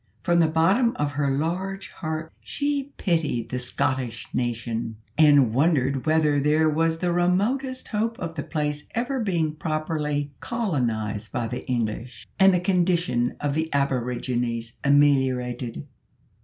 From the bottom of her large heart she pitied the Scottish nation, and wondered whether there was the remotest hope of the place ever being properly colonised by the English, and the condition of the aborigines ameliorated.